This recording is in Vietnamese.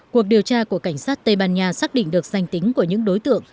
cuộc điều tra của cảnh sát tây ban nha xác định được danh tính của những đối tượng